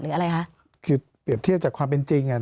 คือเปรียบเทียบจากความเป็นจริง